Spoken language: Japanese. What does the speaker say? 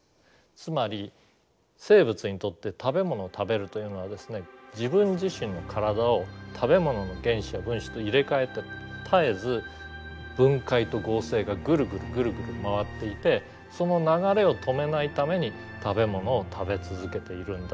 つまり生物にとって食べ物を食べるというのはですね自分自身の体を食べ物の原子や分子と入れ替えて絶えず分解と合成がぐるぐるぐるぐる回っていてその流れを止めないために食べ物を食べ続けているんだ。